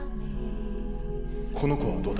この子はどうだ？